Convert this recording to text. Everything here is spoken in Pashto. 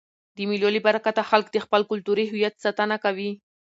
د مېلو له برکته خلک د خپل کلتوري هویت ساتنه کوي.